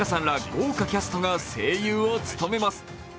豪華キャストが声優を務めます。